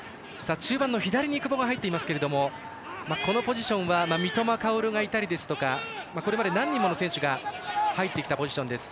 中盤の左に久保が入っていますけどこのポジションは三笘薫がいたりですとかこれまで何人もの選手が入ってきたポジションです。